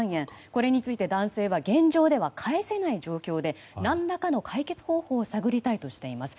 これについて男性は現状では返せない状況で何らかの解決方法を探りたいとしています。